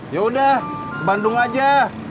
yaudah ke bandung aja